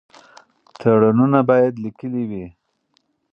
تړونونه باید لیکلي وي.